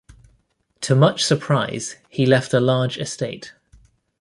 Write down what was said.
To much surprise he left a large estate.